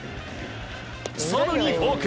更にフォーク。